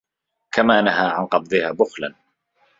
كَمَا نَهَى عَنْ قَبْضِهَا بُخْلًا